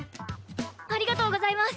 ありがとうございます！